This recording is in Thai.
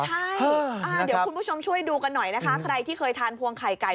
ใช่เดี๋ยวคุณผู้ชมช่วยดูกันหน่อยนะคะใครที่เคยทานพวงไข่ไก่